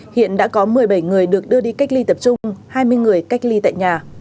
hiện đã có một mươi bảy người được đưa đi cách ly tập trung hai mươi người cách ly tại nhà